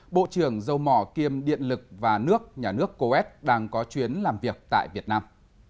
bộ trưởng dâu mỏ kiêm điện lực và nước nhà nước coes đang có chuyến làm việc tại việt nam